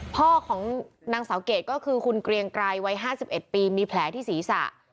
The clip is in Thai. พ่อของนางสาวเกรดก็คือคุณเกรียงไกรวัยห้าสิบเอ็ดปีมีแผลที่ศรีษะ